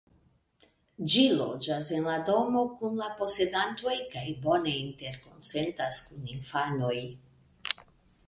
Ĝi loĝas en la domo kun la posedantoj kaj bone interkonsentas kun infanoj.